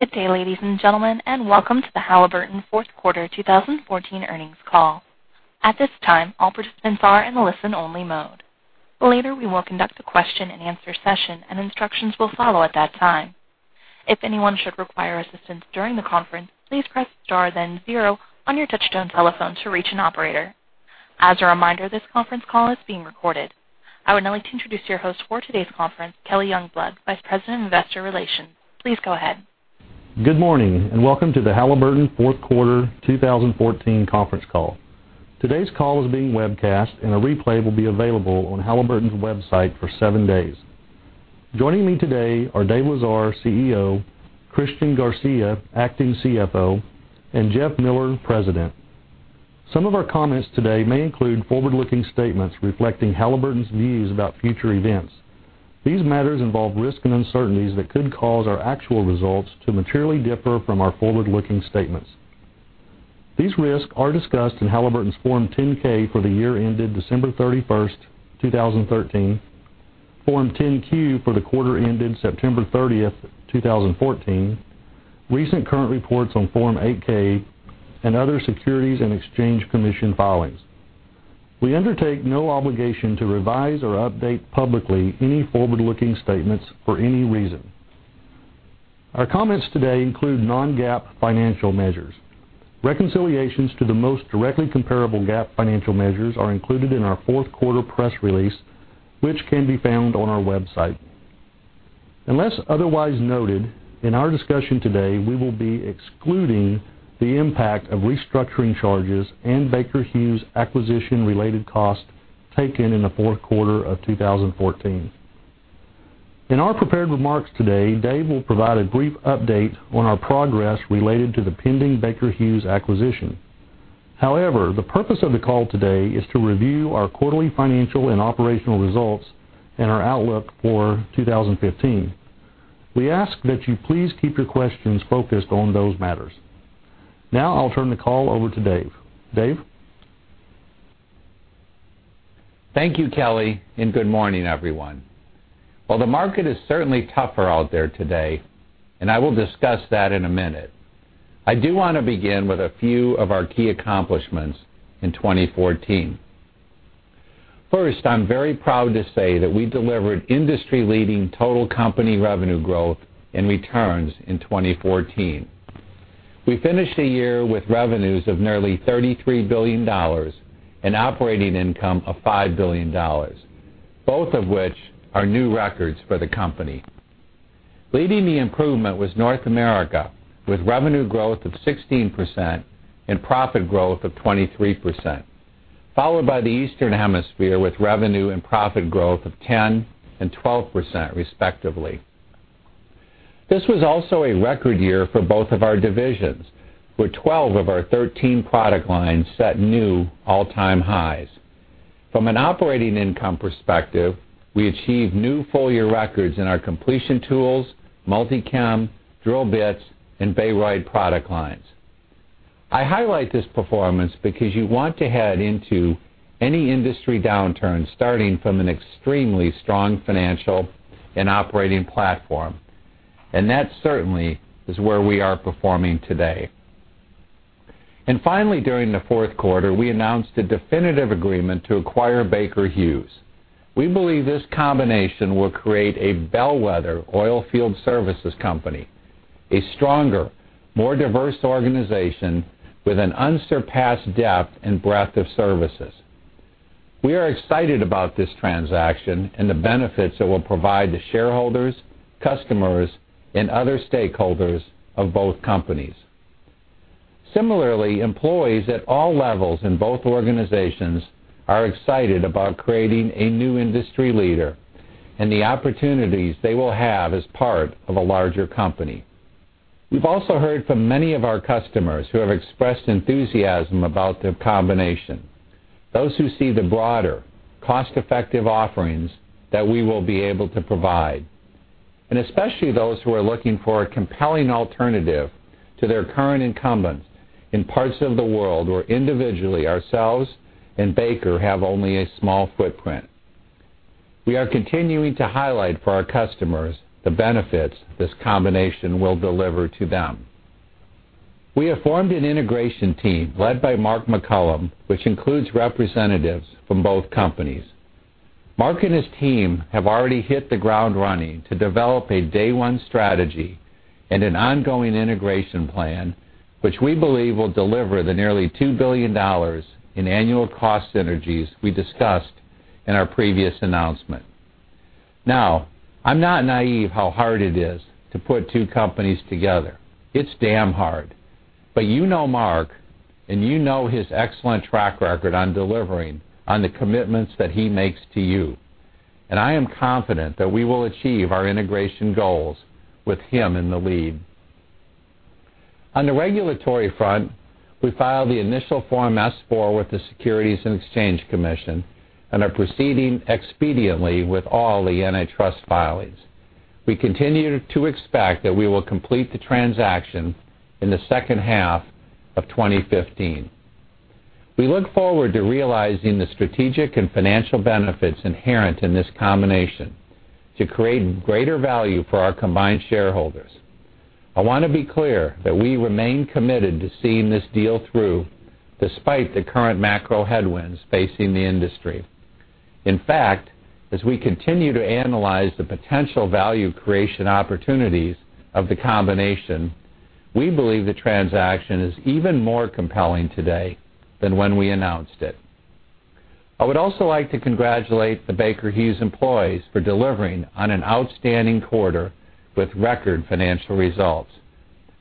Good day, ladies and gentlemen. Welcome to the Halliburton fourth quarter 2014 earnings call. At this time, all participants are in listen only mode. Later, we will conduct a question and answer session and instructions will follow at that time. If anyone should require assistance during the conference, please press star then 0 on your touch-tone telephone to reach an operator. As a reminder, this conference call is being recorded. I would now like to introduce your host for today's conference, Kelly Youngblood, Vice President of Investor Relations. Please go ahead. Good morning. Welcome to the Halliburton fourth quarter 2014 conference call. Today's call is being webcast and a replay will be available on Halliburton's website for 7 days. Joining me today are Dave Lesar, CEO, Christian Garcia, Acting CFO, and Jeff Miller, President. Some of our comments today may include forward-looking statements reflecting Halliburton's views about future events. These matters involve risks and uncertainties that could cause our actual results to materially differ from our forward-looking statements. These risks are discussed in Halliburton's Form 10-K for the year ended December 31st, 2013, Form 10-Q for the quarter ended September 30th, 2014, recent current reports on Form 8-K, and other Securities and Exchange Commission filings. We undertake no obligation to revise or update publicly any forward-looking statements for any reason. Our comments today include non-GAAP financial measures. Reconciliations to the most directly comparable GAAP financial measures are included in our fourth quarter press release, which can be found on our website. Unless otherwise noted, in our discussion today, we will be excluding the impact of restructuring charges and Baker Hughes acquisition-related costs taken in the fourth quarter of 2014. In our prepared remarks today, Dave will provide a brief update on our progress related to the pending Baker Hughes acquisition. The purpose of the call today is to review our quarterly financial and operational results and our outlook for 2015. We ask that you please keep your questions focused on those matters. Now I'll turn the call over to Dave. Dave? Thank you, Kelly. Good morning, everyone. While the market is certainly tougher out there today, and I will discuss that in a minute, I do want to begin with a few of our key accomplishments in 2014. First, I'm very proud to say that we delivered industry-leading total company revenue growth and returns in 2014. We finished the year with revenues of nearly $33 billion and operating income of $5 billion, both of which are new records for the company. Leading the improvement was North America, with revenue growth of 16% and profit growth of 23%, followed by the Eastern Hemisphere with revenue and profit growth of 10% and 12%, respectively. This was also a record year for both of our divisions, with 12 of our 13 product lines set new all-time highs. From an operating income perspective, we achieved new full-year records in our Completion Tools, Multi-Chem, Drill Bits, and Baroid product lines. I highlight this performance because you want to head into any industry downturn starting from an extremely strong financial and operating platform, and that certainly is where we are performing today. Finally, during the fourth quarter, we announced a definitive agreement to acquire Baker Hughes. We believe this combination will create a bellwether oil field services company, a stronger, more diverse organization with an unsurpassed depth and breadth of services. We are excited about this transaction and the benefits it will provide to shareholders, customers, and other stakeholders of both companies. Similarly, employees at all levels in both organizations are excited about creating a new industry leader and the opportunities they will have as part of a larger company. We've also heard from many of our customers who have expressed enthusiasm about the combination. Those who see the broader cost-effective offerings that we will be able to provide, and especially those who are looking for a compelling alternative to their current incumbents in parts of the world where individually ourselves and Baker have only a small footprint. We are continuing to highlight for our customers the benefits this combination will deliver to them. We have formed an integration team led by Mark McCollum, which includes representatives from both companies. Mark and his team have already hit the ground running to develop a day one strategy and an ongoing integration plan, which we believe will deliver the nearly $2 billion in annual cost synergies we discussed in our previous announcement. I'm not naive how hard it is to put two companies together. It's damn hard. You know Mark, and you know his excellent track record on delivering on the commitments that he makes to you. I am confident that we will achieve our integration goals with him in the lead. On the regulatory front, we filed the initial Form S-4 with the Securities and Exchange Commission and are proceeding expediently with all the antitrust filings. We continue to expect that we will complete the transaction in the second half of 2015. We look forward to realizing the strategic and financial benefits inherent in this combination to create greater value for our combined shareholders. I want to be clear that we remain committed to seeing this deal through, despite the current macro headwinds facing the industry. In fact, as we continue to analyze the potential value creation opportunities of the combination, we believe the transaction is even more compelling today than when we announced it. I would also like to congratulate the Baker Hughes employees for delivering on an outstanding quarter with record financial results.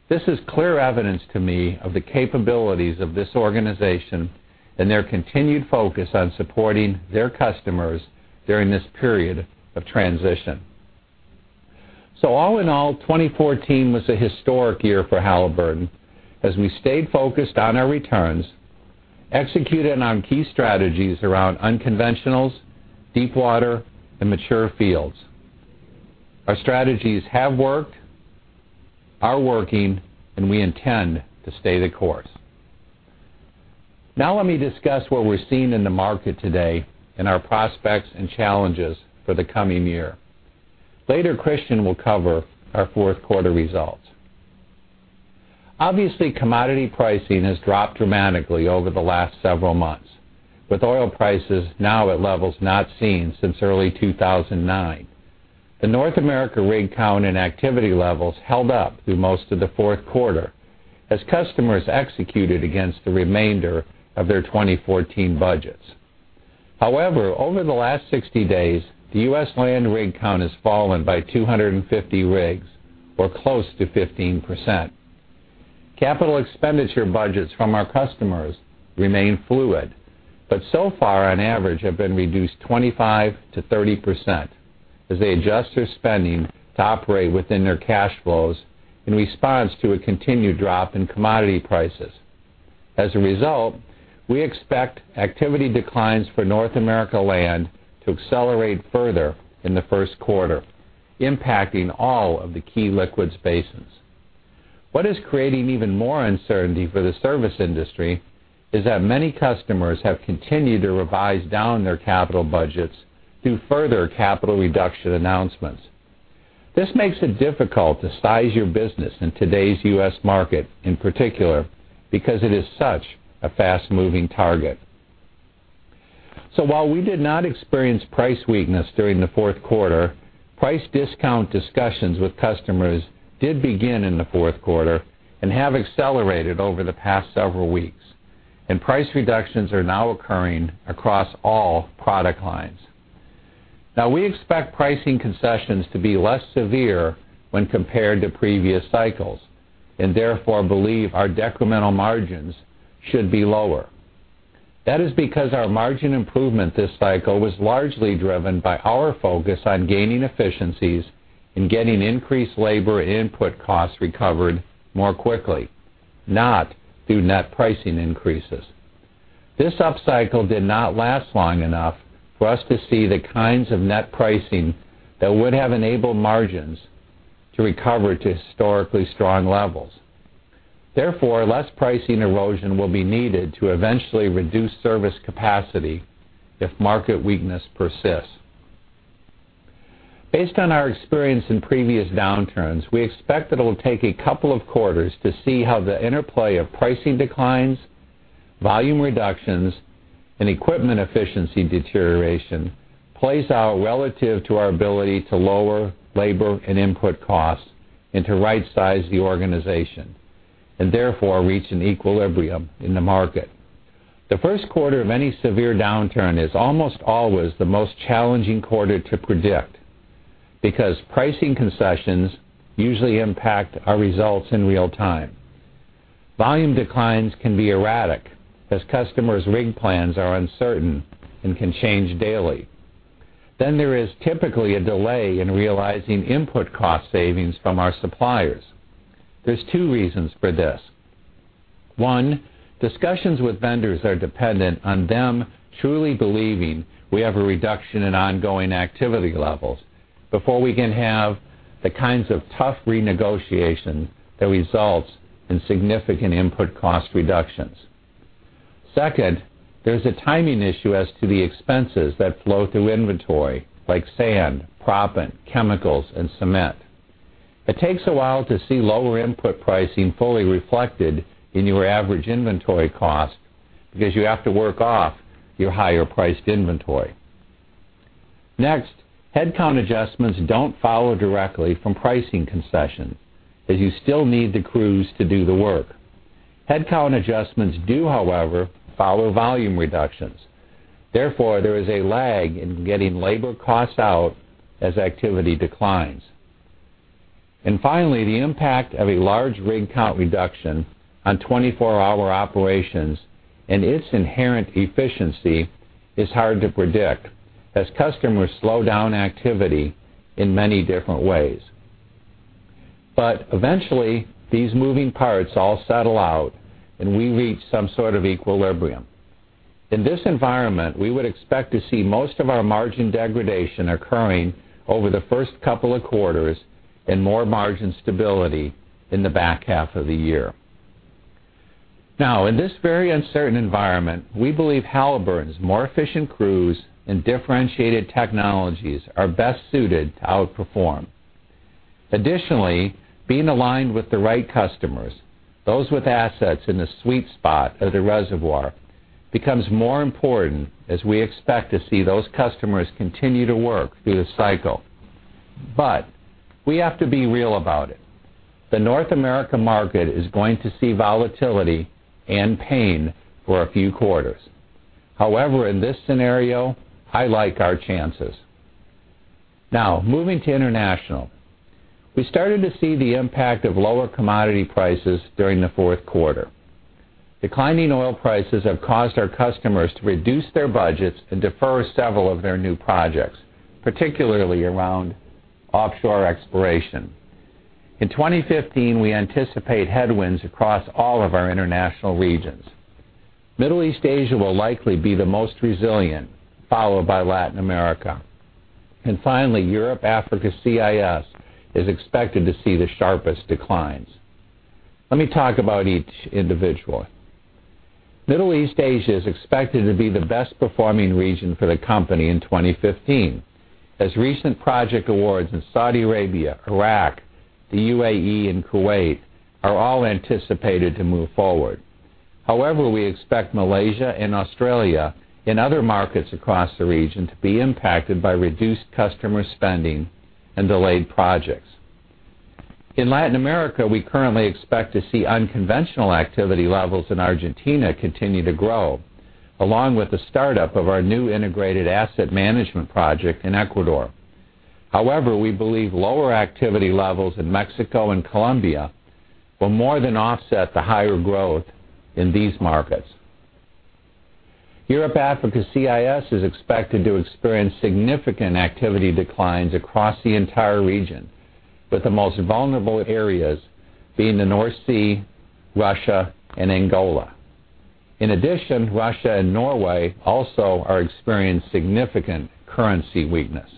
This is clear evidence to me of the capabilities of this organization and their continued focus on supporting their customers during this period of transition. All in all, 2014 was a historic year for Halliburton as we stayed focused on our returns, executed on key strategies around unconventionals, deepwater, and mature fields. Our strategies have worked, are working, and we intend to stay the course. Let me discuss what we're seeing in the market today and our prospects and challenges for the coming year. Later, Christian will cover our fourth quarter results. Obviously, commodity pricing has dropped dramatically over the last several months, with oil prices now at levels not seen since early 2009. The North America rig count and activity levels held up through most of the fourth quarter as customers executed against the remainder of their 2014 budgets. Over the last 60 days, the U.S. land rig count has fallen by 250 rigs or close to 15%. Capital expenditure budgets from our customers remain fluid, but so far on average have been reduced 25%-30% as they adjust their spending to operate within their cash flows in response to a continued drop in commodity prices. As a result, we expect activity declines for North America land to accelerate further in the first quarter, impacting all of the key liquids basins. What is creating even more uncertainty for the service industry is that many customers have continued to revise down their capital budgets through further capital reduction announcements. This makes it difficult to size your business in today's U.S. market in particular because it is such a fast-moving target. While we did not experience price weakness during the fourth quarter, price discount discussions with customers did begin in the fourth quarter and have accelerated over the past several weeks, and price reductions are now occurring across all product lines. Now, we expect pricing concessions to be less severe when compared to previous cycles and therefore believe our decremental margins should be lower. That is because our margin improvement this cycle was largely driven by our focus on gaining efficiencies and getting increased labor and input costs recovered more quickly, not through net pricing increases. This upcycle did not last long enough for us to see the kinds of net pricing that would have enabled margins to recover to historically strong levels. Therefore, less pricing erosion will be needed to eventually reduce service capacity if market weakness persists. Based on our experience in previous downturns, we expect it'll take a couple of quarters to see how the interplay of pricing declines, volume reductions, and equipment efficiency deterioration plays out relative to our ability to lower labor and input costs and to rightsize the organization and therefore reach an equilibrium in the market. The first quarter of any severe downturn is almost always the most challenging quarter to predict because pricing concessions usually impact our results in real time. Volume declines can be erratic as customers' rig plans are uncertain and can change daily. There is typically a delay in realizing input cost savings from our suppliers. There's two reasons for this. One, discussions with vendors are dependent on them truly believing we have a reduction in ongoing activity levels before we can have the kinds of tough renegotiation that results in significant input cost reductions. Second, there's a timing issue as to the expenses that flow through inventory, like sand, proppant, chemicals, and cement. It takes a while to see lower input pricing fully reflected in your average inventory cost because you have to work off your higher-priced inventory. Next, headcount adjustments don't follow directly from pricing concessions, as you still need the crews to do the work. Headcount adjustments do, however, follow volume reductions. Therefore, there is a lag in getting labor costs out as activity declines. The impact of a large rig count reduction on 24-hour operations and its inherent efficiency is hard to predict as customers slow down activity in many different ways. Eventually, these moving parts all settle out, and we reach some sort of equilibrium. In this environment, we would expect to see most of our margin degradation occurring over the first couple of quarters and more margin stability in the back half of the year. In this very uncertain environment, we believe Halliburton's more efficient crews and differentiated technologies are best suited to outperform. Additionally, being aligned with the right customers, those with assets in the sweet spot of the reservoir, becomes more important as we expect to see those customers continue to work through the cycle. We have to be real about it. The North America market is going to see volatility and pain for a few quarters. However, in this scenario, I like our chances. Moving to international. We started to see the impact of lower commodity prices during the fourth quarter. Declining oil prices have caused our customers to reduce their budgets and defer several of their new projects, particularly around offshore exploration. In 2015, we anticipate headwinds across all of our international regions. Middle East Asia will likely be the most resilient, followed by Latin America. Finally, Europe, Africa, CIS is expected to see the sharpest declines. Let me talk about each individually. Middle East Asia is expected to be the best-performing region for the company in 2015, as recent project awards in Saudi Arabia, Iraq, the UAE, and Kuwait are all anticipated to move forward. However, we expect Malaysia and Australia and other markets across the region to be impacted by reduced customer spending and delayed projects. In Latin America, we currently expect to see unconventional activity levels in Argentina continue to grow, along with the startup of our new integrated asset management project in Ecuador. However, we believe lower activity levels in Mexico and Colombia will more than offset the higher growth in these markets. Europe, Africa, CIS is expected to experience significant activity declines across the entire region, with the most vulnerable areas being the North Sea, Russia, and Angola. In addition, Russia and Norway also are experiencing significant currency weakness.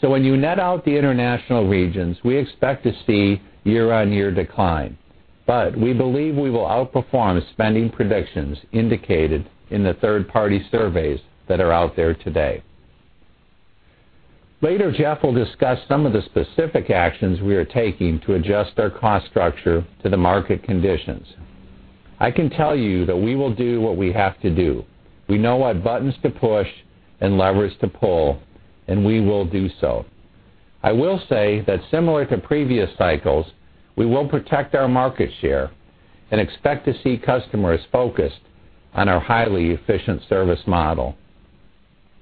When you net out the international regions, we expect to see year-on-year decline, but we believe we will outperform the spending predictions indicated in the third-party surveys that are out there today. Later, Jeff will discuss some of the specific actions we are taking to adjust our cost structure to the market conditions. I can tell you that we will do what we have to do. We know what buttons to push and levers to pull, and we will do so. I will say that similar to previous cycles, we will protect our market share and expect to see customers focused on our highly efficient service model.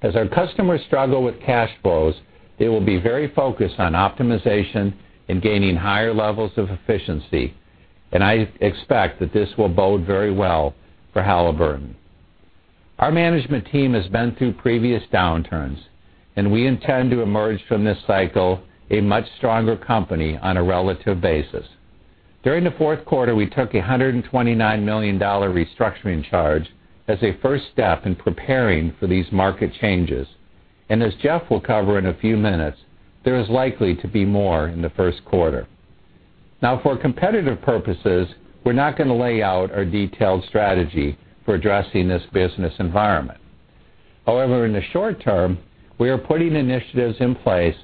As our customers struggle with cash flows, they will be very focused on optimization and gaining higher levels of efficiency, and I expect that this will bode very well for Halliburton. Our management team has been through previous downturns, and we intend to emerge from this cycle a much stronger company on a relative basis. During the fourth quarter, we took a $129 million restructuring charge as a first step in preparing for these market changes. As Jeff will cover in a few minutes, there is likely to be more in the first quarter. For competitive purposes, we're not going to lay out our detailed strategy for addressing this business environment. However, in the short term, we are putting initiatives in place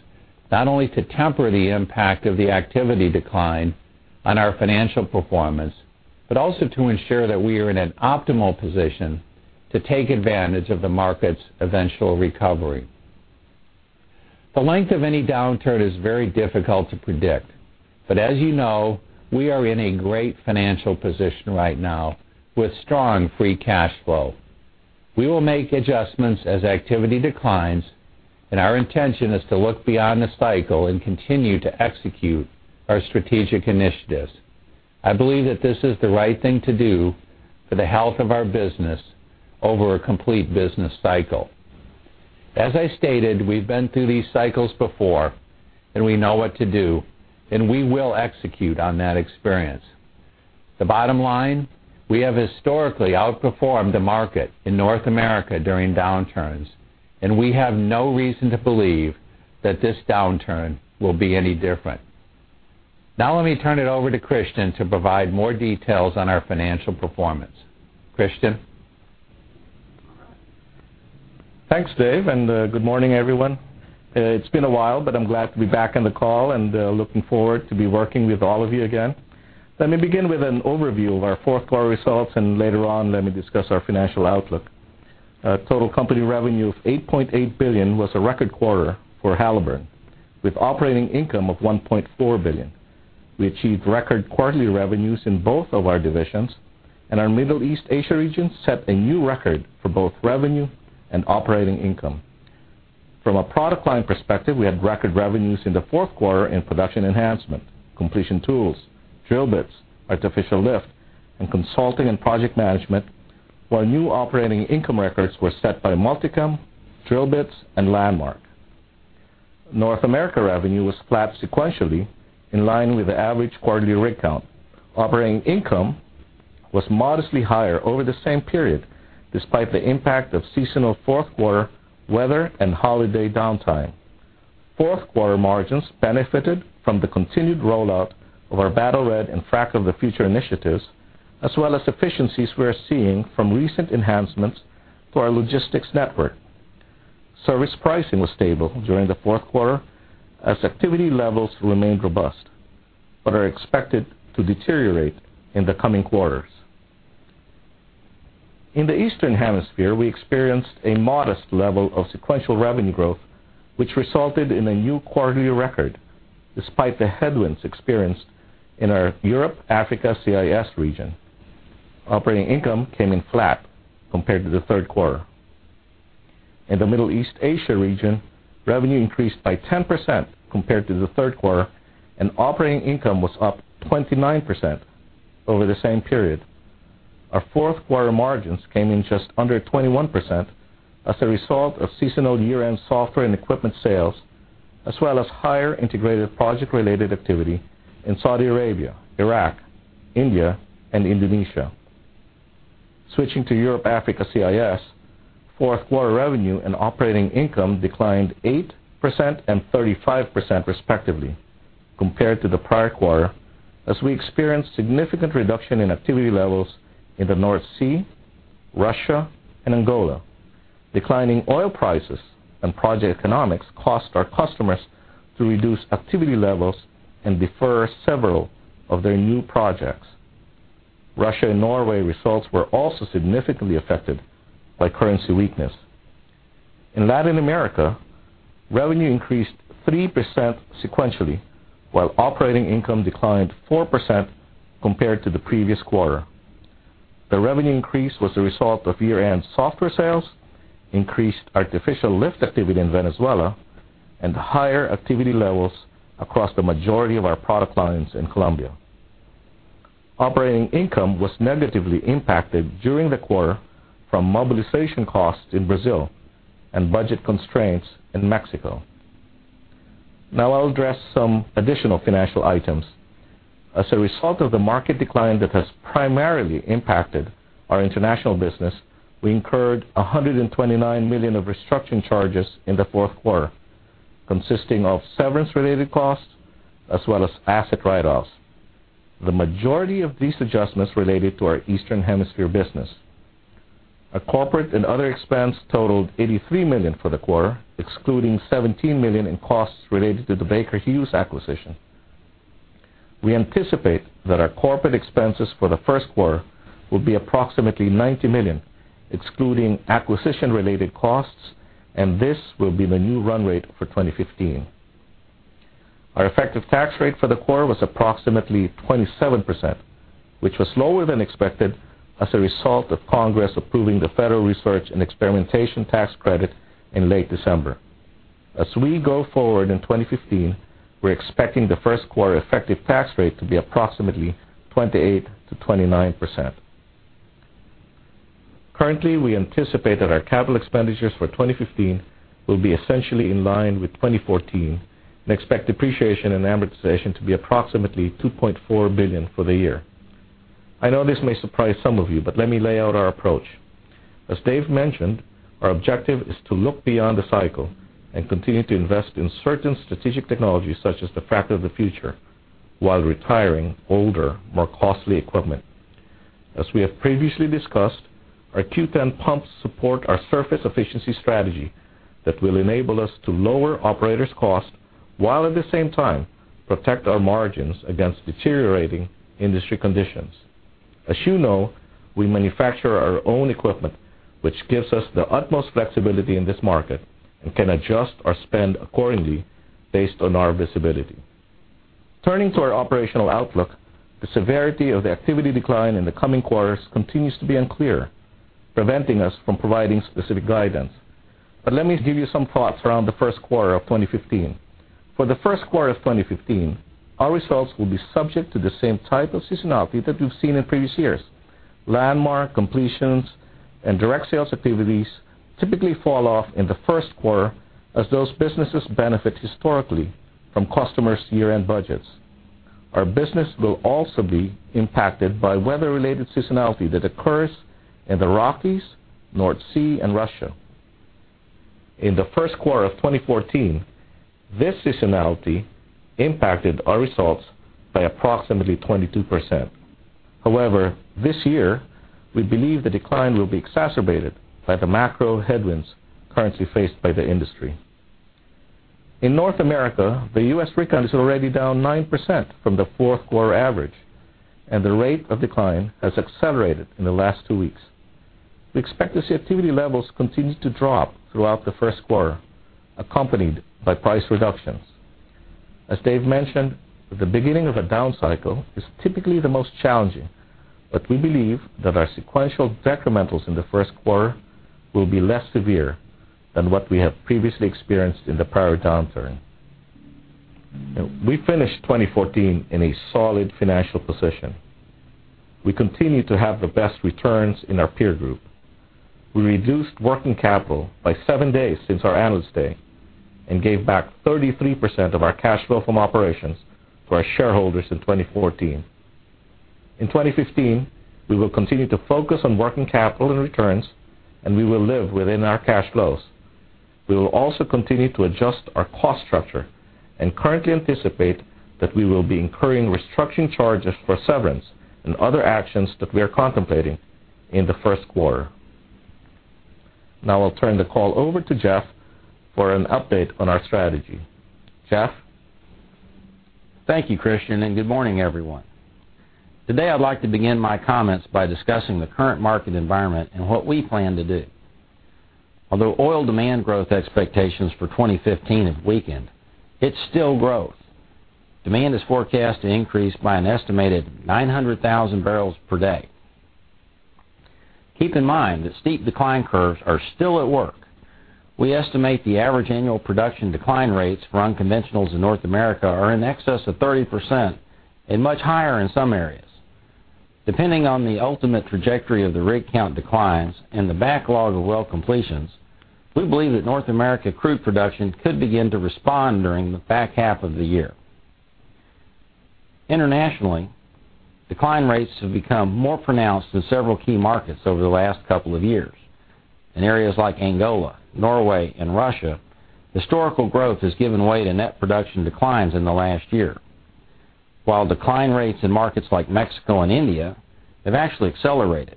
not only to temper the impact of the activity decline on our financial performance, but also to ensure that we are in an optimal position to take advantage of the market's eventual recovery. The length of any downturn is very difficult to predict, but as you know, we are in a great financial position right now with strong free cash flow. We will make adjustments as activity declines, and our intention is to look beyond the cycle and continue to execute our strategic initiatives. I believe that this is the right thing to do for the health of our business over a complete business cycle. As I stated, we've been through these cycles before, and we know what to do, and we will execute on that experience. The bottom line, we have historically outperformed the market in North America during downturns, and we have no reason to believe that this downturn will be any different. Let me turn it over to Christian to provide more details on our financial performance. Christian? Thanks, Dave, and good morning, everyone. It's been a while, but I'm glad to be back on the call and looking forward to be working with all of you again. Let me begin with an overview of our fourth quarter results, and later on, let me discuss our financial outlook. Total company revenue of $8.8 billion was a record quarter for Halliburton, with operating income of $1.4 billion. We achieved record quarterly revenues in both of our divisions, and our Middle East Asia region set a new record for both revenue and operating income. From a product line perspective, we had record revenues in the fourth quarter in Production Enhancement, Completion Tools, Drill Bits, Artificial Lift, and Consulting and Project Management, while new operating income records were set by Multi-Chem, Drill Bits, and Landmark. North America revenue was flat sequentially, in line with the average quarterly rig count. Operating income was modestly higher over the same period, despite the impact of seasonal fourth quarter weather and holiday downtime. Fourth quarter margins benefited from the continued rollout of our Battle Red and Frac of the Future initiatives, as well as efficiencies we are seeing from recent enhancements to our logistics network. Service pricing was stable during the fourth quarter as activity levels remained robust but are expected to deteriorate in the coming quarters. In the Eastern Hemisphere, we experienced a modest level of sequential revenue growth, which resulted in a new quarterly record, despite the headwinds experienced in our Europe, Africa, CIS region. Operating income came in flat compared to the third quarter. In the Middle East Asia region, revenue increased by 10% compared to the third quarter, and operating income was up 29% over the same period. Our fourth quarter margins came in just under 21% as a result of seasonal year-end software and equipment sales, as well as higher integrated project-related activity in Saudi Arabia, Iraq, India, and Indonesia. Switching to Europe, Africa, CIS, fourth quarter revenue and operating income declined 8% and 35% respectively compared to the prior quarter, as we experienced significant reduction in activity levels in the North Sea, Russia, and Angola. Declining oil prices and project economics caused our customers to reduce activity levels and defer several of their new projects. Russia and Norway results were also significantly affected by currency weakness. In Latin America, revenue increased 3% sequentially, while operating income declined 4% compared to the previous quarter. The revenue increase was a result of year-end software sales, increased Artificial Lift activity in Venezuela, and higher activity levels across the majority of our product lines in Colombia. I'll address some additional financial items. As a result of the market decline that has primarily impacted our international business, we incurred $129 million of restructuring charges in the fourth quarter, consisting of severance-related costs as well as asset write-offs. The majority of these adjustments related to our Eastern Hemisphere business. Our corporate and other expense totaled $83 million for the quarter, excluding $17 million in costs related to the Baker Hughes acquisition. We anticipate that our corporate expenses for the first quarter will be approximately $90 million, excluding acquisition-related costs, and this will be the new run rate for 2015. Our effective tax rate for the quarter was approximately 27%, which was lower than expected as a result of Congress approving the Federal Research and Experimentation tax credit in late December. As we go forward in 2015, we're expecting the first quarter effective tax rate to be approximately 28%-29%. Currently, we anticipate that our capital expenditures for 2015 will be essentially in line with 2014 and expect depreciation and amortization to be approximately $2.4 billion for the year. I know this may surprise some of you, but let me lay out our approach. As Dave mentioned, our objective is to look beyond the cycle and continue to invest in certain strategic technologies, such as the Frac of the Future, while retiring older, more costly equipment. As we have previously discussed, our Q10 pumps support our surface efficiency strategy that will enable us to lower operators' costs, while at the same time protect our margins against deteriorating industry conditions. As you know, we manufacture our own equipment, which gives us the utmost flexibility in this market and can adjust our spend accordingly based on our visibility. Turning to our operational outlook, the severity of the activity decline in the coming quarters continues to be unclear, preventing us from providing specific guidance. Let me give you some thoughts around the first quarter of 2015. For the first quarter of 2015, our results will be subject to the same type of seasonality that we've seen in previous years. Landmark completions and direct sales activities typically fall off in the first quarter as those businesses benefit historically from customers' year-end budgets. Our business will also be impacted by weather-related seasonality that occurs in the Rockies, North Sea, and Russia. In the first quarter of 2014, this seasonality impacted our results by approximately 22%. This year, we believe the decline will be exacerbated by the macro headwinds currently faced by the industry. In North America, the U.S. rig count is already down 9% from the fourth quarter average, and the rate of decline has accelerated in the last 2 weeks. We expect to see activity levels continue to drop throughout the first quarter, accompanied by price reductions. As Dave mentioned, the beginning of a down cycle is typically the most challenging, but we believe that our sequential decrementals in the first quarter will be less severe than what we have previously experienced in the prior downturn. We finished 2014 in a solid financial position. We continue to have the best returns in our peer group. We reduced working capital by 7 days since our Analyst Day and gave back 33% of our cash flow from operations to our shareholders in 2014. In 2015, we will continue to focus on working capital and returns. We will live within our cash flows. We will also continue to adjust our cost structure and currently anticipate that we will be incurring restructuring charges for severance and other actions that we are contemplating in the first quarter. I'll turn the call over to Jeff for an update on our strategy. Jeff? Thank you, Christian. Good morning, everyone. I'd like to begin my comments by discussing the current market environment and what we plan to do. Although oil demand growth expectations for 2015 have weakened, it's still growth. Demand is forecast to increase by an estimated 900,000 barrels per day. Keep in mind that steep decline curves are still at work. We estimate the average annual production decline rates for unconventionals in North America are in excess of 30% and much higher in some areas. Depending on the ultimate trajectory of the rig count declines and the backlog of well completions, we believe that North America crude production could begin to respond during the back half of the year. Internationally, decline rates have become more pronounced in several key markets over the last couple of years. In areas like Angola, Norway, and Russia, historical growth has given way to net production declines in the last year. Decline rates in markets like Mexico and India have actually accelerated.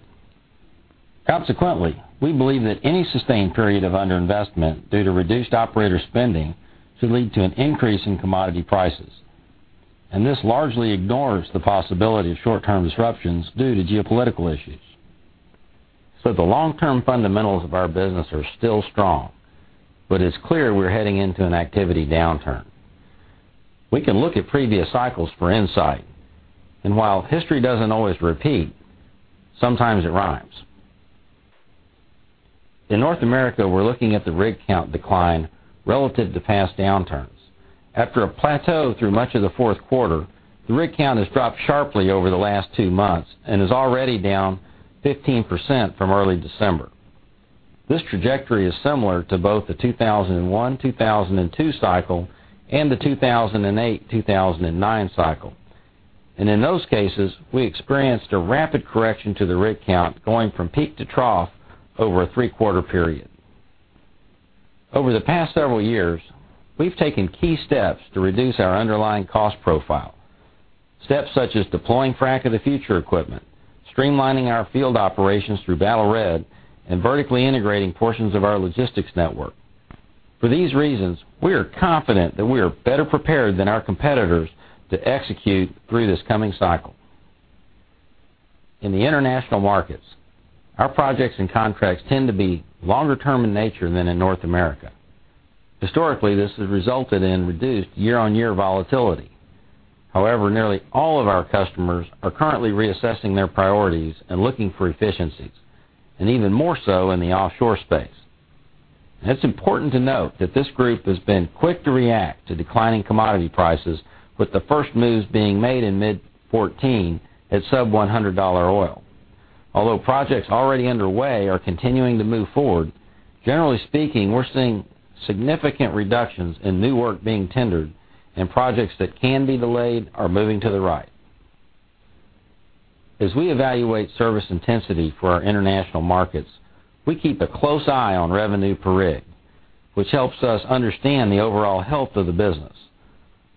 We believe that any sustained period of underinvestment due to reduced operator spending should lead to an increase in commodity prices. This largely ignores the possibility of short-term disruptions due to geopolitical issues. The long-term fundamentals of our business are still strong, but it's clear we're heading into an activity downturn. We can look at previous cycles for insight. While history doesn't always repeat, sometimes it rhymes. In North America, we're looking at the rig count decline relative to past downturns. After a plateau through much of the fourth quarter, the rig count has dropped sharply over the last 2 months and is already down 15% from early December. This trajectory is similar to both the 2001-2002 cycle and the 2008-2009 cycle. In those cases, we experienced a rapid correction to the rig count, going from peak to trough over a three-quarter period. Over the past several years, we've taken key steps to reduce our underlying cost profile, steps such as deploying Frac of the Future equipment, streamlining our field operations through Battle Red, and vertically integrating portions of our logistics network. For these reasons, we are confident that we are better prepared than our competitors to execute through this coming cycle. In the international markets, our projects and contracts tend to be longer term in nature than in North America. Historically, this has resulted in reduced year-on-year volatility. However, nearly all of our customers are currently reassessing their priorities and looking for efficiencies, and even more so in the offshore space. It's important to note that this group has been quick to react to declining commodity prices, with the first moves being made in mid 2014 at sub $100 oil. Although projects already underway are continuing to move forward, generally speaking, we're seeing significant reductions in new work being tendered and projects that can be delayed are moving to the right. As we evaluate service intensity for our international markets, we keep a close eye on revenue per rig, which helps us understand the overall health of the business.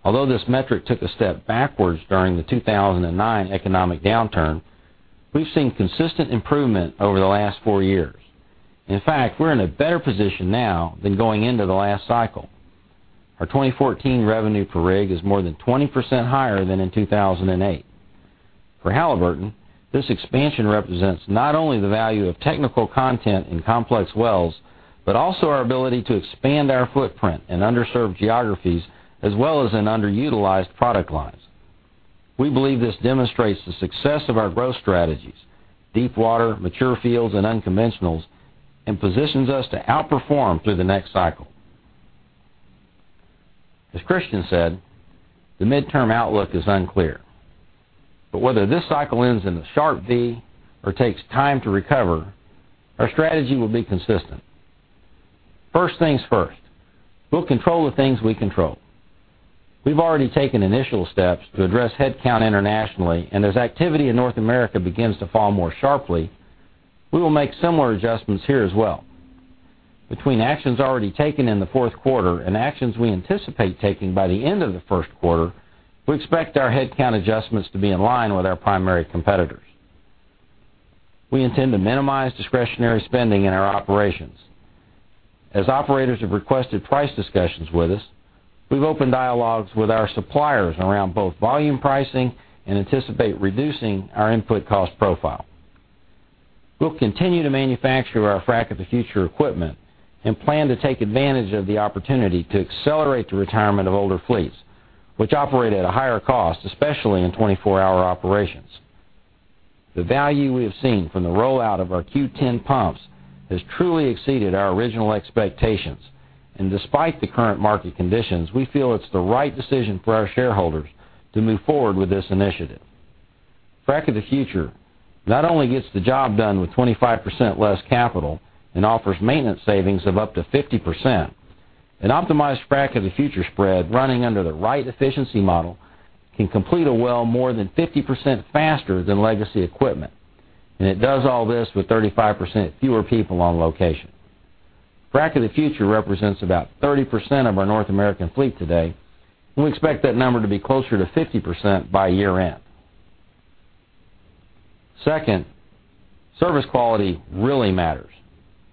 Although this metric took a step backwards during the 2009 economic downturn, we've seen consistent improvement over the last four years. In fact, we're in a better position now than going into the last cycle. Our 2014 revenue per rig is more than 20% higher than in 2008. For Halliburton, this expansion represents not only the value of technical content in complex wells but also our ability to expand our footprint in underserved geographies as well as in underutilized product lines. We believe this demonstrates the success of our growth strategies, deepwater, mature fields, and unconventionals, and positions us to outperform through the next cycle. As Christian said, the midterm outlook is unclear. Whether this cycle ends in a sharp V or takes time to recover, our strategy will be consistent. First things first, we'll control the things we control. We've already taken initial steps to address headcount internationally, and as activity in North America begins to fall more sharply, we will make similar adjustments here as well. Between actions already taken in the fourth quarter and actions we anticipate taking by the end of the first quarter, we expect our headcount adjustments to be in line with our primary competitors. We intend to minimize discretionary spending in our operations. As operators have requested price discussions with us, we've opened dialogues with our suppliers around both volume pricing and anticipate reducing our input cost profile. We'll continue to manufacture our Frac of the Future equipment and plan to take advantage of the opportunity to accelerate the retirement of older fleets, which operate at a higher cost, especially in 24-hour operations. The value we have seen from the rollout of our Q10 pumps has truly exceeded our original expectations. Despite the current market conditions, we feel it's the right decision for our shareholders to move forward with this initiative. Frac of the Future not only gets the job done with 25% less capital and offers maintenance savings of up to 50%, an optimized Frac of the Future spread running under the right efficiency model can complete a well more than 50% faster than legacy equipment. It does all this with 35% fewer people on location. Frac of the Future represents about 30% of our North American fleet today. We expect that number to be closer to 50% by year-end. Second, service quality really matters,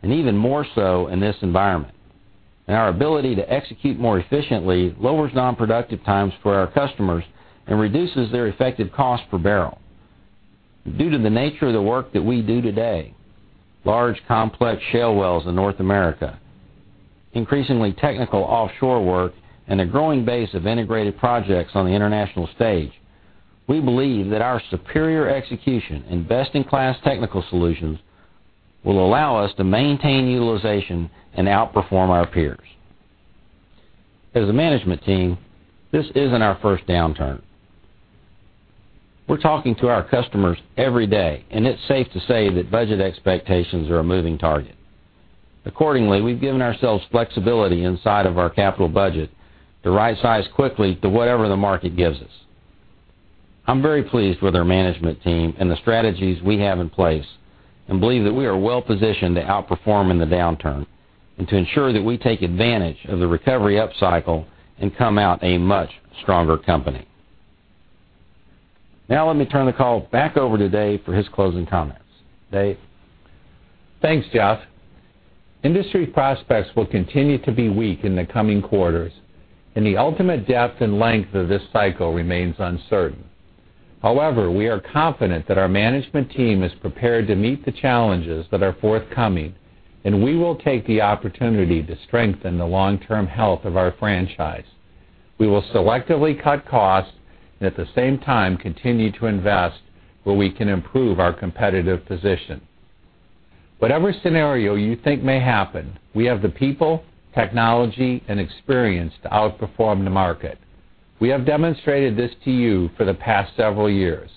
and even more so in this environment. Our ability to execute more efficiently lowers non-productive times for our customers and reduces their effective cost per barrel. Due to the nature of the work that we do today, large, complex shale wells in North America, increasingly technical offshore work, and a growing base of integrated projects on the international stage, we believe that our superior execution and best-in-class technical solutions will allow us to maintain utilization and outperform our peers. As a management team, this isn't our first downturn. We're talking to our customers every day, and it's safe to say that budget expectations are a moving target. Accordingly, we've given ourselves flexibility inside of our capital budget to right-size quickly to whatever the market gives us. I'm very pleased with our management team and the strategies we have in place and believe that we are well-positioned to outperform in the downturn and to ensure that we take advantage of the recovery upcycle and come out a much stronger company. Let me turn the call back over to Dave for his closing comments. Dave? Thanks, Jeff. Industry prospects will continue to be weak in the coming quarters, the ultimate depth and length of this cycle remains uncertain. However, we are confident that our management team is prepared to meet the challenges that are forthcoming, we will take the opportunity to strengthen the long-term health of our franchise. We will selectively cut costs and, at the same time, continue to invest where we can improve our competitive position. Whatever scenario you think may happen, we have the people, technology, and experience to outperform the market. We have demonstrated this to you for the past several years.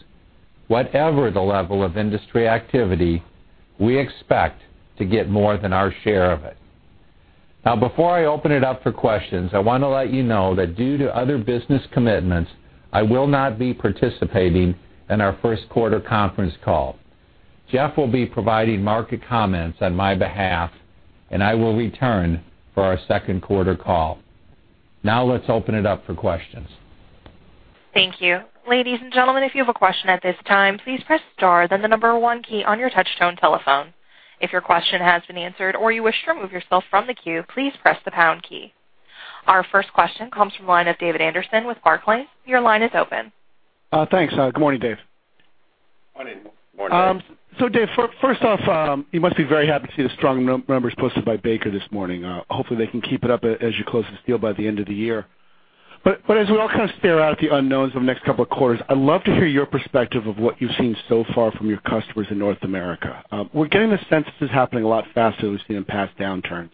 Whatever the level of industry activity, we expect to get more than our share of it. Before I open it up for questions, I want to let you know that due to other business commitments, I will not be participating in our first quarter conference call. Jeff will be providing market comments on my behalf. I will return for our second quarter call. Now let's open it up for questions. Thank you. Ladies and gentlemen, if you have a question at this time, please press star then the number one key on your touchtone telephone. If your question has been answered or you wish to remove yourself from the queue, please press the pound key. Our first question comes from the line of David Anderson with Barclays. Your line is open. Thanks. Good morning, Dave. Morning. Morning, Dave. Dave, first off, you must be very happy to see the strong numbers posted by Baker Hughes this morning. Hopefully, they can keep it up as you close this deal by the end of the year. As we all kind of stare out the unknowns over the next couple of quarters, I'd love to hear your perspective of what you've seen so far from your customers in North America. We're getting the sense this is happening a lot faster than we've seen in past downturns.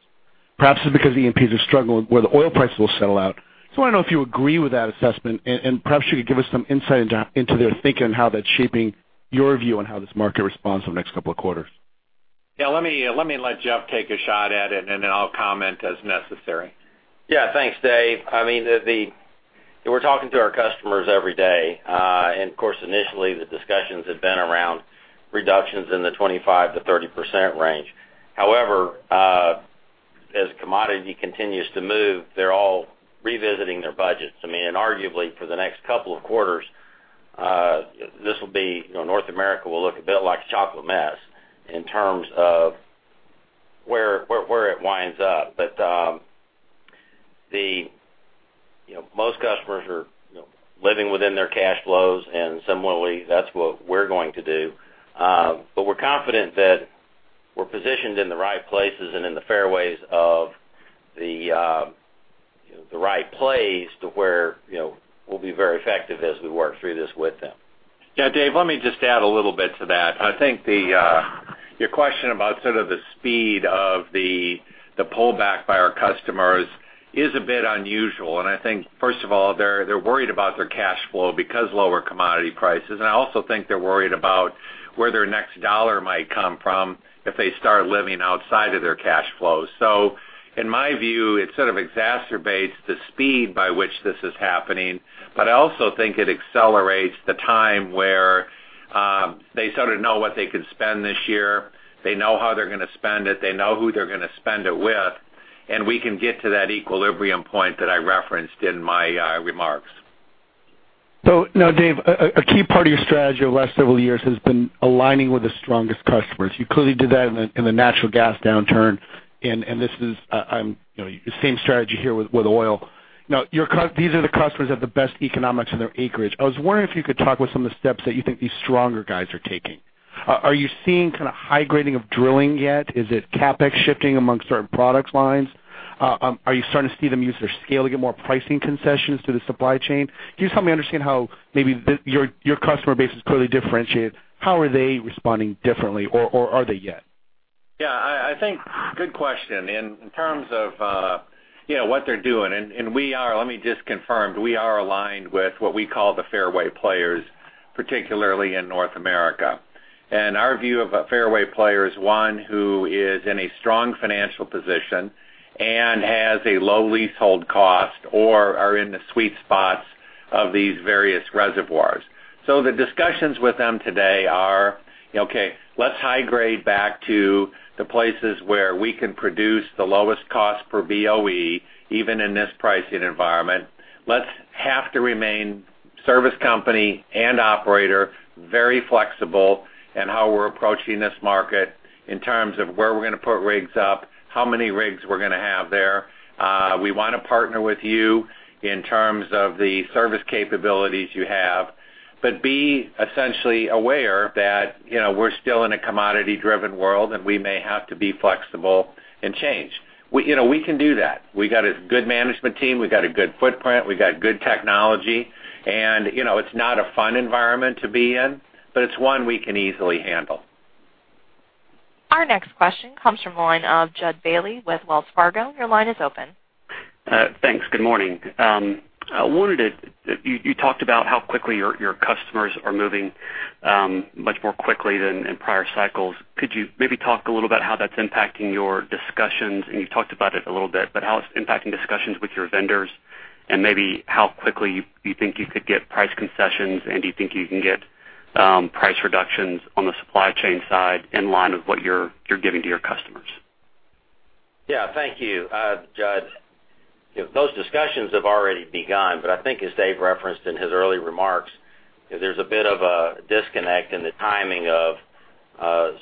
Perhaps it's because E&Ps are struggling where the oil price will settle out. I want to know if you agree with that assessment, and perhaps you could give us some insight into their thinking on how that's shaping your view on how this market responds over the next couple of quarters. Let me let Jeff take a shot at it, and then I'll comment as necessary. Thanks, Dave. We're talking to our customers every day. Of course, initially, the discussions had been around reductions in the 25%-30% range. However, as commodity continues to move, they're all revisiting their budgets. Arguably, for the next couple of quarters, North America will look a bit like a chocolate mess in terms of where it winds up. Most customers are living within their cash flows, and similarly, that's what we're going to do. We're confident that we're positioned in the right places and in the fairways of the right plays to where we'll be very effective as we work through this with them. Dave, let me just add a little bit to that. I think your question about sort of the speed of the pullback by our customers is a bit unusual. I think, first of all, they're worried about their cash flow because lower commodity prices, and I also think they're worried about where their next dollar might come from if they start living outside of their cash flows. In my view, it sort of exacerbates the speed by which this is happening, but I also think it accelerates the time where they sort of know what they can spend this year. They know how they're gonna spend it, they know who they're gonna spend it with, and we can get to that equilibrium point that I referenced in my remarks. Dave, a key part of your strategy over the last several years has been aligning with the strongest customers. You clearly did that in the natural gas downturn, and the same strategy here with oil. These are the customers that have the best economics in their acreage. I was wondering if you could talk about some of the steps that you think these stronger guys are taking. Are you seeing high grading of drilling yet? Is it CapEx shifting amongst certain product lines? Are you starting to see them use their scale to get more pricing concessions to the supply chain? Can you just help me understand how maybe your customer base is clearly differentiated, how are they responding differently, or are they yet? Yeah, I think good question. In terms of what they're doing, let me just confirm, we are aligned with what we call the fairway players, particularly in North America. Our view of a fairway player is one who is in a strong financial position and has a low leasehold cost or are in the sweet spots of these various reservoirs. The discussions with them today are, okay, let's high grade back to the places where we can produce the lowest cost per BOE, even in this pricing environment. Let's have to remain service company and operator, very flexible in how we're approaching this market in terms of where we're going to put rigs up, how many rigs we're going to have there. We want to partner with you in terms of the service capabilities you have, be essentially aware that we're still in a commodity driven world, we may have to be flexible and change. We can do that. We got a good management team. We got a good footprint. We got good technology, it's not a fun environment to be in, but it's one we can easily handle. Our next question comes from the line of Jud Bailey with Wells Fargo. Your line is open. Thanks. Good morning. You talked about how quickly your customers are moving, much more quickly than in prior cycles. Could you maybe talk a little about how that's impacting your discussions, and you talked about it a little bit, but how it's impacting discussions with your vendors and maybe how quickly you think you could get price concessions, and do you think you can get price reductions on the supply chain side in line with what you're giving to your customers? Yeah. Thank you, Jud. Those discussions have already begun, but I think as Dave referenced in his early remarks, there's a bit of a disconnect in the timing of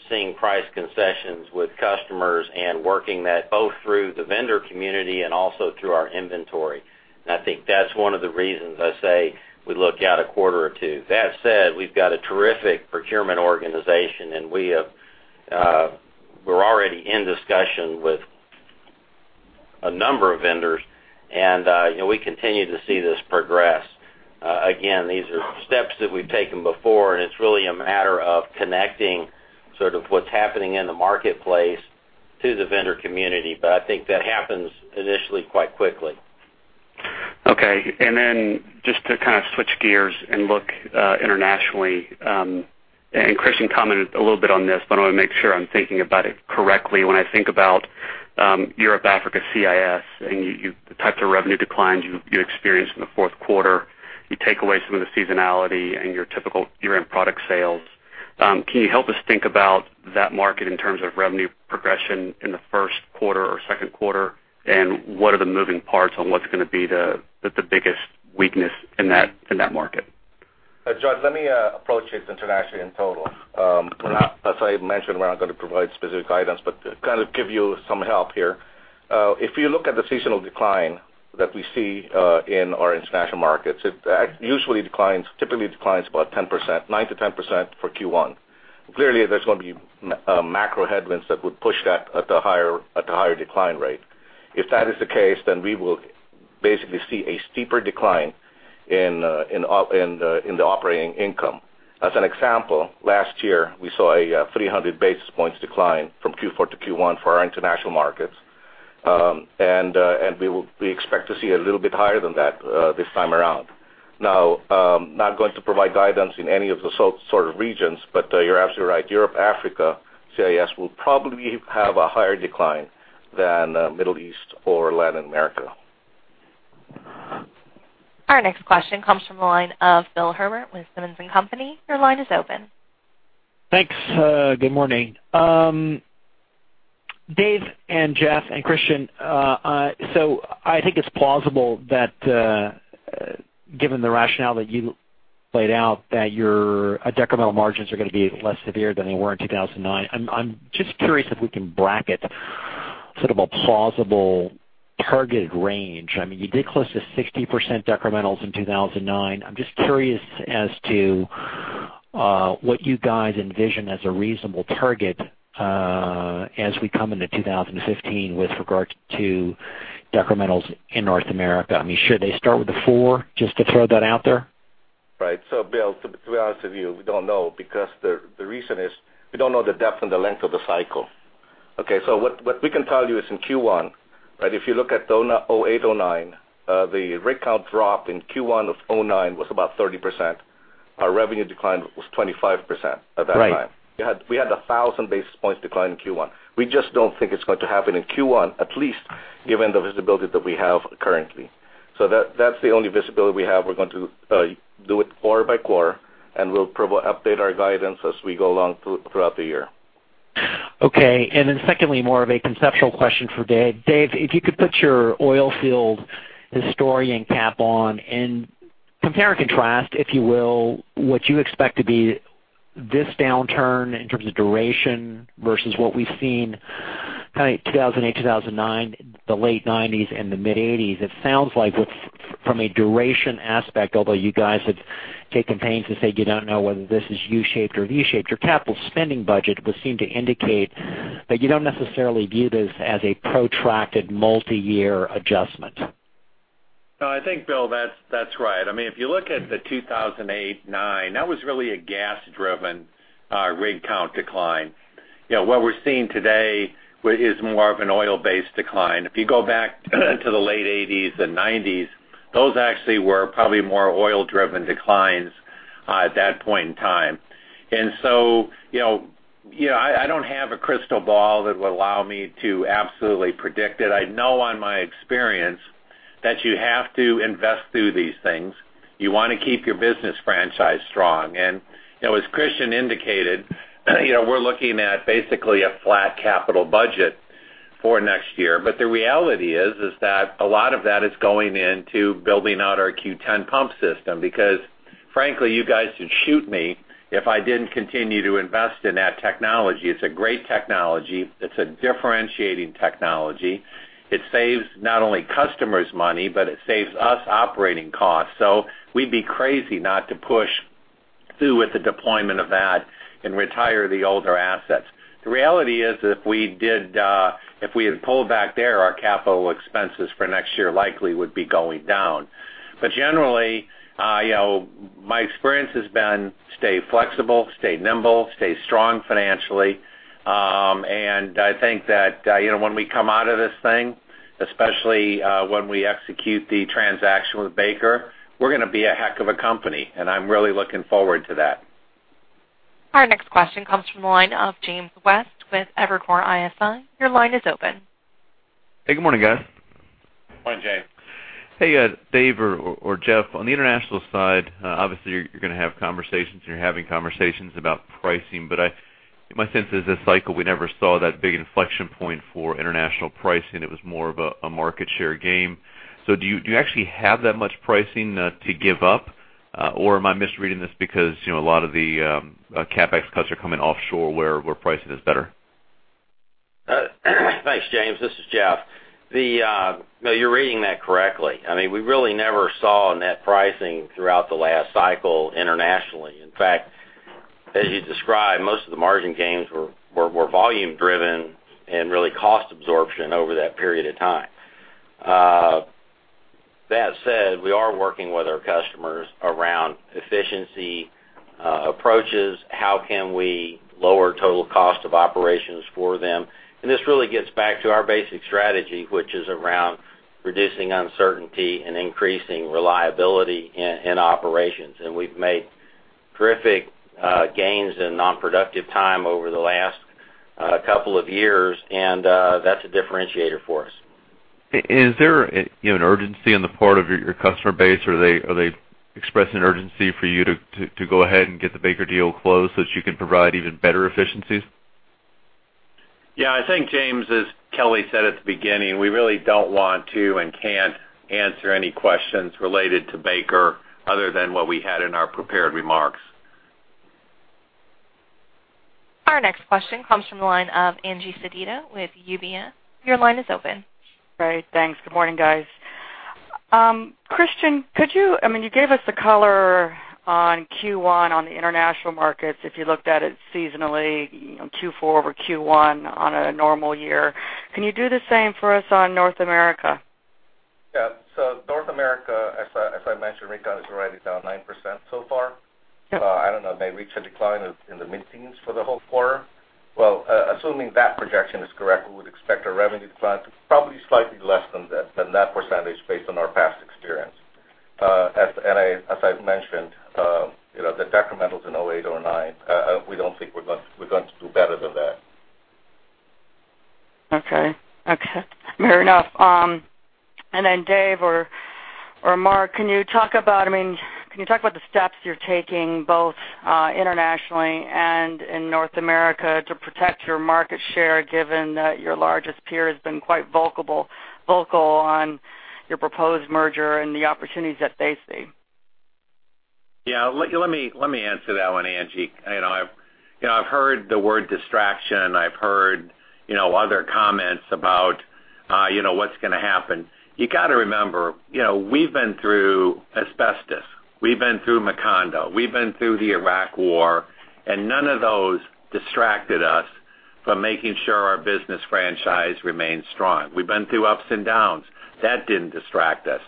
seeing price concessions with customers and working that both through the vendor community and also through our inventory. I think that's one of the reasons I say we look out a quarter or two. That said, we've got a terrific procurement organization, and we're already in discussion with a number of vendors, and we continue to see this progress. Again, these are steps that we've taken before, and it's really a matter of connecting sort of what's happening in the marketplace to the vendor community. I think that happens initially quite quickly. Okay. Just to kind of switch gears and look internationally, and Christian commented a little bit on this, but I want to make sure I'm thinking about it correctly. When I think about Europe, Africa, CIS, and the types of revenue declines you experienced in the fourth quarter, you take away some of the seasonality in your typical year-end product sales. Can you help us think about that market in terms of revenue progression in the first quarter or second quarter, and what are the moving parts on what's going to be the biggest weakness in that market? Jud, let me approach this internationally in total. As I mentioned, we're not going to provide specific guidance, but to kind of give you some help here. If you look at the seasonal decline that we see in our international markets, it usually declines, typically declines about 10%, 9%-10% for Q1. Clearly, there's going to be macro headwinds that would push that at the higher decline rate. If that is the case, then we will basically see a steeper decline in the operating income. As an example, last year we saw a 300 basis points decline from Q4 to Q1 for our international markets. We expect to see a little bit higher than that this time around. Now, not going to provide guidance in any of the sort of regions, but you're absolutely right. Europe, Africa, CIS will probably have a higher decline than Middle East or Latin America. Our next question comes from the line of Bill Herbert with Simmons & Company International. Your line is open. Thanks. Good morning. Dave and Jeff and Christian, I think it's plausible that given the rationale that you laid out, that your decremental margins are going to be less severe than they were in 2009. I'm just curious if we can bracket sort of a plausible targeted range. I mean, you did close to 60% decrementals in 2009. I'm just curious as to what you guys envision as a reasonable target as we come into 2015 with regard to decrementals in North America. I mean, should they start with a four, just to throw that out there? Right. Bill, to be honest with you, we don't know because the reason is we don't know the depth and the length of the cycle. Okay, what we can tell you is in Q1, if you look at 2008, 2009, the rig count drop in Q1 of 2009 was about 30%. Our revenue decline was 25% at that time. Right. We had 1,000 basis points decline in Q1. We just don't think it's going to happen in Q1, at least given the visibility that we have currently. That's the only visibility we have. We're going to do it quarter by quarter, and we'll update our guidance as we go along throughout the year. Okay. Secondly, more of a conceptual question for Dave. Dave, if you could put your oil field historian cap on and compare and contrast, if you will, what you expect to be this downturn in terms of duration versus what we've seen 2008, 2009, the late 1990s, and the mid 1980s, it sounds like from a duration aspect, although you guys had taken pains to say you don't know whether this is U-shaped or V-shaped, your capital spending budget would seem to indicate that you don't necessarily view this as a protracted multi-year adjustment. No, I think, Bill, that's right. If you look at the 2008 and 2009, that was really a gas-driven rig count decline. What we're seeing today is more of an oil-based decline. If you go back to the late 1980s and 1990s, those actually were probably more oil-driven declines at that point in time. I don't have a crystal ball that would allow me to absolutely predict it. I know on my experience that you have to invest through these things. You want to keep your business franchise strong. As Christian indicated, we're looking at basically a flat capital budget for next year. But the reality is that a lot of that is going into building out our Q10 pump system because, frankly, you guys would shoot me if I didn't continue to invest in that technology. It's a great technology. It's a differentiating technology. It saves not only customers money, but it saves us operating costs. We'd be crazy not to push through with the deployment of that and retire the older assets. The reality is if we had pulled back there, our capital expenses for next year likely would be going down. Generally, my experience has been stay flexible, stay nimble, stay strong financially. I think that when we come out of this thing, especially when we execute the transaction with Baker, we're going to be a heck of a company, and I'm really looking forward to that. Our next question comes from the line of James West with Evercore ISI. Your line is open. Hey, good morning, guys. Morning, James. Hey, Dave or Jeff, on the international side, obviously you're going to have conversations, and you're having conversations about pricing, but my sense is this cycle, we never saw that big inflection point for international pricing. It was more of a market share game. Do you actually have that much pricing to give up? Am I misreading this because a lot of the CapEx cuts are coming offshore where pricing is better? Thanks, James. This is Jeff. No, you're reading that correctly. We really never saw net pricing throughout the last cycle internationally. In fact, as you described, most of the margin gains were volume driven and really cost absorption over that period of time. That said, we are working with our customers around efficiency approaches. How can we lower total cost of operations for them? This really gets back to our basic strategy, which is around reducing uncertainty and increasing reliability in operations. We've made terrific gains in non-productive time over the last couple of years, and that's a differentiator for us. Is there an urgency on the part of your customer base? Are they expressing urgency for you to go ahead and get the Baker deal closed so that you can provide even better efficiencies? Yeah, I think, James, as Kelly said at the beginning, we really don't want to and can't answer any questions related to Baker other than what we had in our prepared remarks. Our next question comes from the line of Angie Sedita with UBS. Your line is open. Great. Thanks. Good morning, guys. Christian, you gave us the color on Q1 on the international markets, if you looked at it seasonally, Q4 over Q1 on a normal year. Can you do the same for us on North America? Yeah. North America, as I mentioned, rig count is already down 9% so far. Yeah. I don't know, may reach a decline in the mid-teens for the whole quarter. Assuming that projection is correct, we would expect a revenue decline to probably slightly less than that percentage based on our past experience. As I've mentioned, the decrementals in 2008, 2009, we don't think we're going to do better than that. Okay. Fair enough. Dave or Mark, can you talk about the steps you're taking both internationally and in North America to protect your market share, given that your largest peer has been quite vocal on your proposed merger and the opportunities that they see? Yeah. Let me answer that one, Angie. I've heard the word distraction. I've heard other comments about what's going to happen. You got to remember, we've been through asbestos, we've been through Macondo, we've been through the Iraq War, and none of those distracted us from making sure our business franchise remains strong. We've been through ups and downs. That didn't distract us.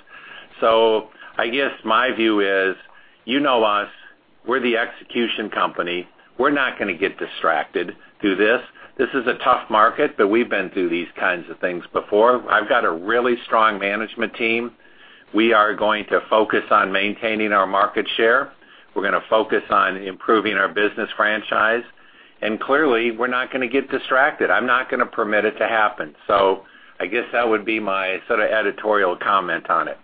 I guess my view is, you know us, we're the execution company. We're not going to get distracted through this. This is a tough market, but we've been through these kinds of things before. I've got a really strong management team. We are going to focus on maintaining our market share. We're going to focus on improving our business franchise. Clearly, we're not going to get distracted. I'm not going to permit it to happen. I guess that would be my sort of editorial comment on it.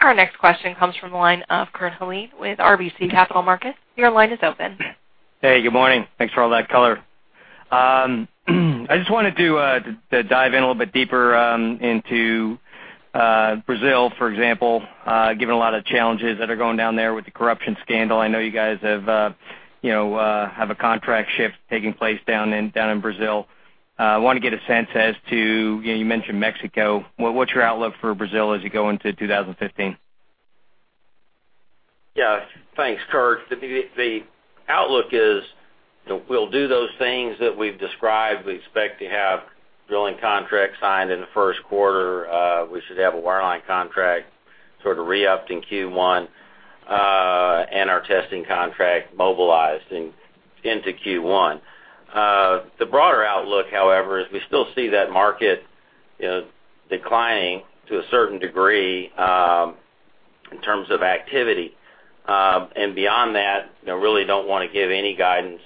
Our next question comes from the line of Kurt Hallead with RBC Capital Markets. Your line is open. Hey, good morning. Thanks for all that color. I just wanted to dive in a little bit deeper into Brazil, for example, given a lot of challenges that are going down there with the corruption scandal. I know you guys have a contract shift taking place down in Brazil. I want to get a sense as to, you mentioned Mexico, what's your outlook for Brazil as you go into 2015? Thanks, Kurt. The outlook is we'll do those things that we've described. We expect to have drilling contracts signed in the first quarter. We should have a wireline contract sort of re-upped in Q1, and our testing contract mobilized into Q1. The broader outlook, however, is we still see that market declining to a certain degree in terms of activity. Beyond that, really don't want to give any guidance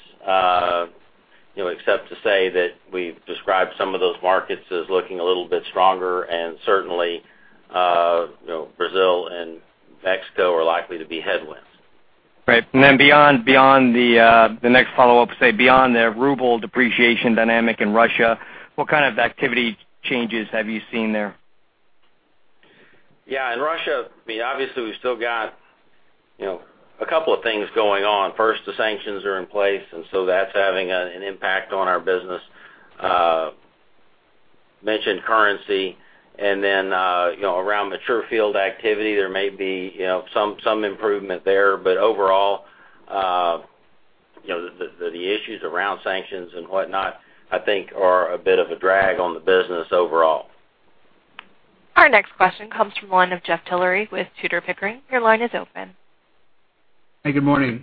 except to say that we've described some of those markets as looking a little bit stronger and certainly, Brazil and Mexico are likely to be headwinds. Right. Then the next follow-up, say, beyond the ruble depreciation dynamic in Russia, what kind of activity changes have you seen there? In Russia, obviously, we've still got a couple of things going on. First, the sanctions are in place, so that's having an impact on our business. Mentioned currency, around mature field activity, there may be some improvement there. Overall, the issues around sanctions and whatnot, I think, are a bit of a drag on the business overall. Our next question comes from the line of Jeff Tillery with Tudor, Pickering. Your line is open. Hey, good morning.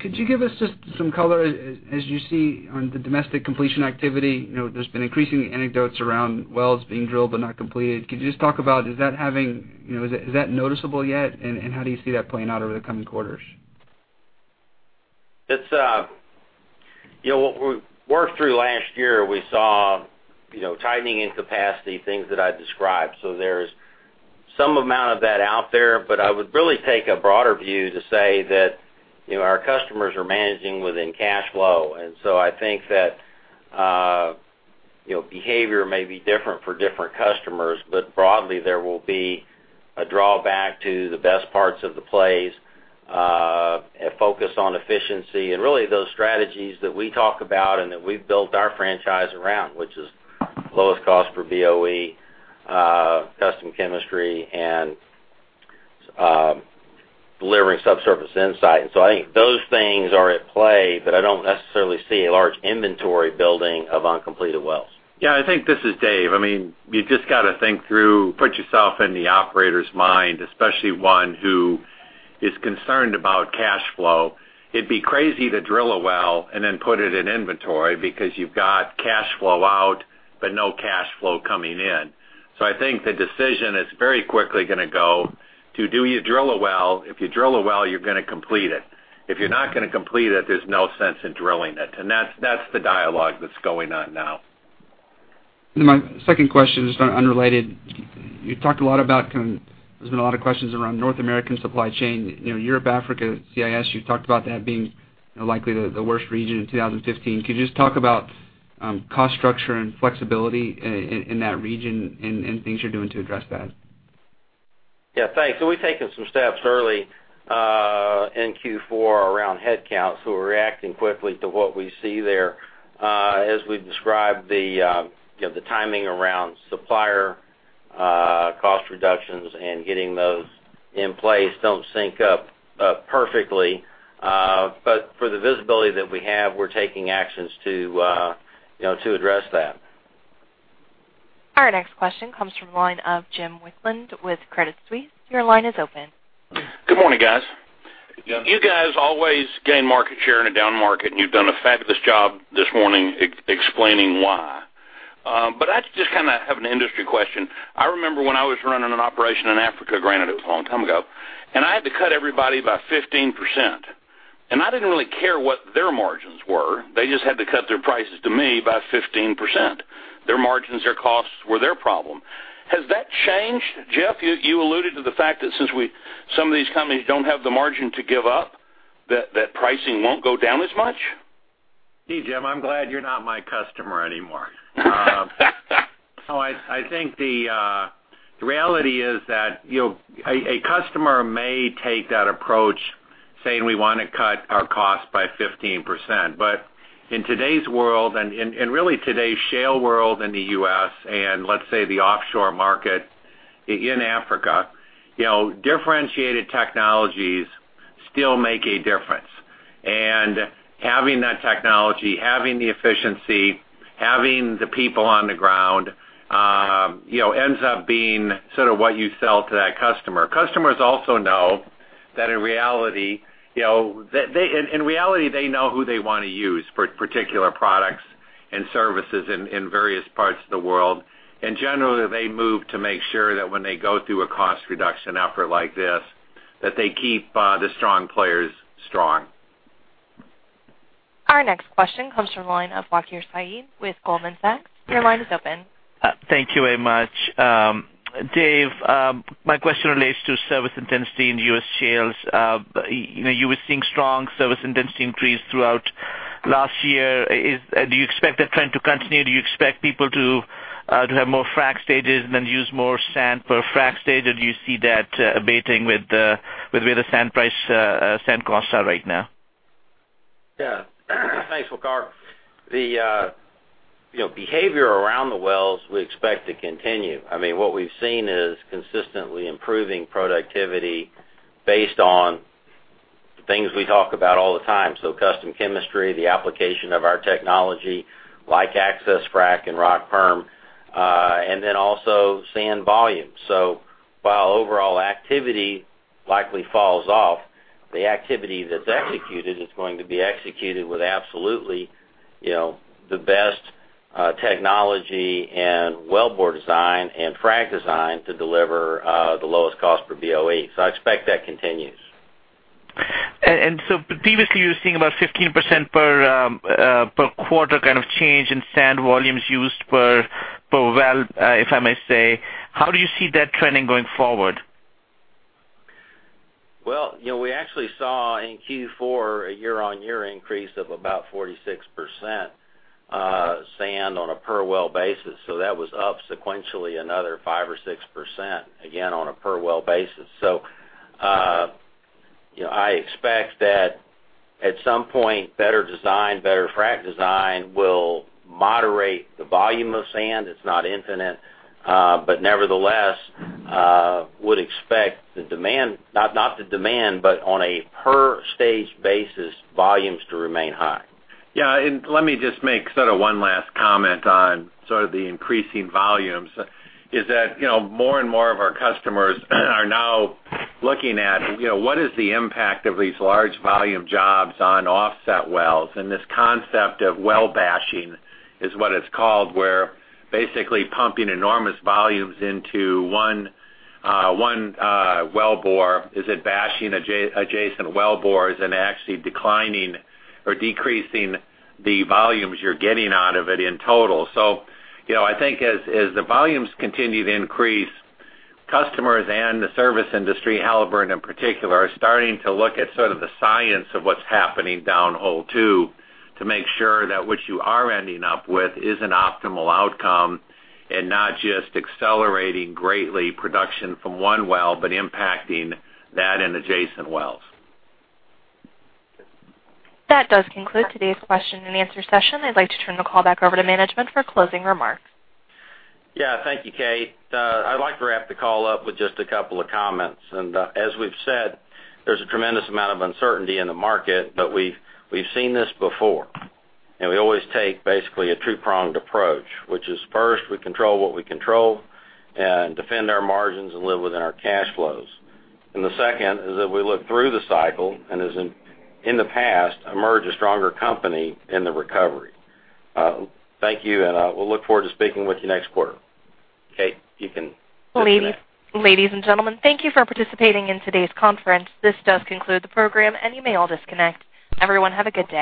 Could you give us just some color as you see on the domestic completion activity? There's been increasing anecdotes around wells being drilled but not completed. Could you just talk about, is that noticeable yet, how do you see that playing out over the coming quarters? What we worked through last year, we saw tightening in capacity, things that I described. There's some amount of that out there, but I would really take a broader view to say that our customers are managing within cash flow. I think that behavior may be different for different customers, but broadly, there will be a drawback to the best parts of the plays, a focus on efficiency, and really those strategies that we talk about and that we've built our franchise around, which is lowest cost per BOE, custom chemistry, and delivering subsurface insight. I think those things are at play, but I don't necessarily see a large inventory building of uncompleted wells. Yeah, I think this is Dave. You just got to think through, put yourself in the operator's mind, especially one who is concerned about cash flow. It'd be crazy to drill a well and then put it in inventory because you've got cash flow out, but no cash flow coming in. I think the decision is very quickly going to go to do you drill a well. If you drill a well, you're going to complete it. If you're not going to complete it, there's no sense in drilling it. That's the dialogue that's going on now. My second question is unrelated. There's been a lot of questions around North American supply chain. Europe, Africa, CIS, you talked about that being likely the worst region in 2015. Could you just talk about cost structure and flexibility in that region and things you're doing to address that? Yeah, thanks. We've taken some steps early in Q4 around headcount, we're reacting quickly to what we see there. As we've described the timing around supplier cost reductions and getting those in place don't sync up perfectly. For the visibility that we have, we're taking actions to address that. Our next question comes from the line of James Wicklund with Credit Suisse. Your line is open. Good morning, guys. Good. You guys always gain market share in a down market, you've done a fabulous job this morning explaining why. I just kind of have an industry question. I remember when I was running an operation in Africa, granted it was a long time ago, and I had to cut everybody by 15%. I didn't really care what their margins were. They just had to cut their prices to me by 15%. Their margins, their costs were their problem. Has that changed? Jeff, you alluded to the fact that since some of these companies don't have the margin to give up, that pricing won't go down as much? Gee, Jim, I'm glad you're not my customer anymore. I think the reality is that a customer may take that approach saying, "We want to cut our cost by 15%." In today's world and in really today's shale world in the U.S. and let's say the offshore market in Africa, differentiated technologies still make a difference. Having that technology, having the efficiency, having the people on the ground ends up being sort of what you sell to that customer. Customers also know that in reality they know who they want to use for particular products and services in various parts of the world. Generally, they move to make sure that when they go through a cost reduction effort like this, that they keep the strong players strong. Our next question comes from the line of Waqar Syed with Goldman Sachs. Your line is open. Thank you very much. Dave, my question relates to service intensity in U.S. shales. You were seeing strong service intensity increase throughout last year, do you expect that trend to continue? Do you expect people to have more frac stages than use more sand per frac stage? Do you see that abating with where the sand costs are right now? Thanks, Waqar. The behavior around the wells we expect to continue. What we've seen is consistently improving productivity based on things we talk about all the time. Custom chemistry, the application of our technology, like AccessFrac and RockPerm, also sand volume. While overall activity likely falls off, the activity that's executed is going to be executed with absolutely the best technology and well bore design and frac design to deliver the lowest cost per BOE. I expect that continues. Previously, you were seeing about 15% per quarter kind of change in sand volumes used per well, if I may say. How do you see that trending going forward? Well, we actually saw in Q4 a year-on-year increase of about 46% sand on a per well basis. That was up sequentially another 5% or 6%, again, on a per well basis. I expect that at some point, better design, better frac design will moderate the volume of sand. It's not infinite. Nevertheless, would expect the demand, not the demand, but on a per stage basis, volumes to remain high. Yeah, let me just make sort of one last comment on sort of the increasing volumes, is that more and more of our customers are now looking at what is the impact of these large volume jobs on offset wells, and this concept of frac bashing is what it's called, where basically pumping enormous volumes into one wellbore. Is it bashing adjacent wellbores and actually declining or decreasing the volumes you're getting out of it in total? I think as the volumes continue to increase, customers and the service industry, Halliburton in particular, are starting to look at sort of the science of what's happening downhole too, to make sure that what you are ending up with is an optimal outcome, and not just accelerating greatly production from one well, but impacting that and adjacent wells. That does conclude today's question and answer session. I'd like to turn the call back over to management for closing remarks. Yeah. Thank you, Kate. I'd like to wrap the call up with just a couple of comments. As we've said, there's a tremendous amount of uncertainty in the market, but we've seen this before, and we always take basically a two-pronged approach, which is first, we control what we control and defend our margins and live within our cash flows. The second is that we look through the cycle, and as in the past, emerge a stronger company in the recovery. Thank you, and we'll look forward to speaking with you next quarter. Kate, you can disconnect. Ladies and gentlemen, thank you for participating in today's conference. This does conclude the program, and you may all disconnect. Everyone, have a good day.